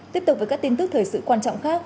tiếp tục với các tin tức thời sự quan trọng khác